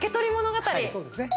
そうですね。